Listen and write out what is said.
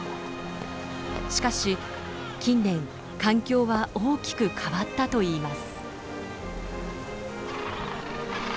しかし近年環境は大きく変わったといいます。